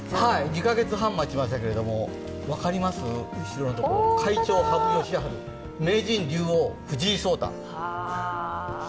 ２か月半待ちましたけど、分かりますか後ろのところ会長、羽生善治名人・竜王藤井聡太。